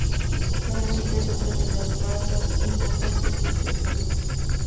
La música es otra de las bazas importantes de este proyecto.